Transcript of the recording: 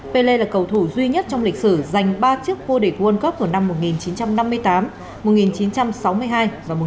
pele là cầu thủ duy nhất trong lịch sử giành ba chiếc vô địch world cup của năm một nghìn chín trăm năm mươi tám một nghìn chín trăm sáu mươi hai và một nghìn chín trăm bảy mươi